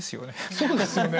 そうですよね。